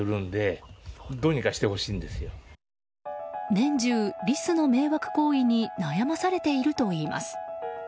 年中、リスの迷惑行為に悩まされているといいます。